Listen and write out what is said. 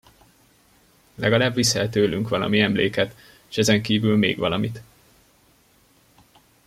Legalább viszel tőlünk valami emléket, s ezenkívül még valamit.